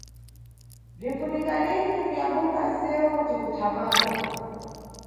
Bzinʼfunika lini kuyambuka nʼsewu tikuthamanga.